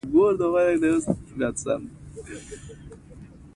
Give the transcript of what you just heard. داسې درنې چاودنې وسوې.